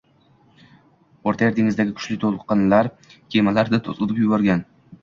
O‘rta Yer dengizidagi kuchli to‘lqinlar kemalarini to‘zitib yuborgan,.